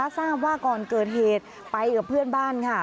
ทราบว่าก่อนเกิดเหตุไปกับเพื่อนบ้านค่ะ